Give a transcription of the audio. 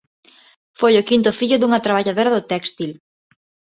Foi o quinto fillo dunha traballadora do téxtil.